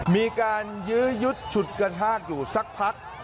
มีการยื้อยุดฉุดกระทาดอยู่สักพัก